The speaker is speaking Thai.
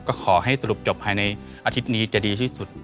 ก็ขอให้สรุปจบภายในอาทิตย์นี้จะดีที่สุด